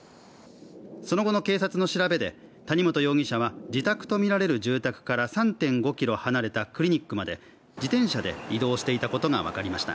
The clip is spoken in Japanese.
その後の警察の調べで、谷本容疑者は自宅とみられる住宅から３．５ｋｍ離れたクリニックまで自転車で移動していたことが分かりました。